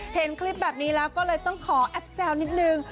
เห็นคลิปแบบนี้แล้วก็เลยต้องขอแอปแซวนิดนึง